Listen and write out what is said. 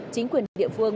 chính quyền địa phương